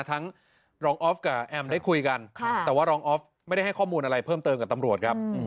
ทั้งรองออฟกับแอมได้คุยกันแต่ว่ารองออฟไม่ได้ให้ข้อมูลอะไรเพิ่มเติมกับตำรวจครับ